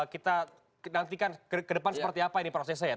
kita nantikan kedepan seperti apa ini prosesnya ya